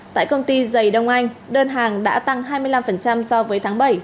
tại công ty dày đông anh đơn hàng đã tăng hai mươi năm so với tháng bảy